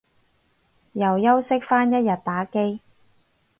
又休息返一日打機